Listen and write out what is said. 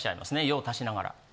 用足しながら。